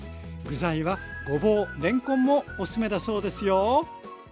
具材はごぼうれんこんもおすすめだそうですよ